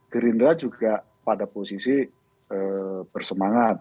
gerindra juga pada posisi bersemangat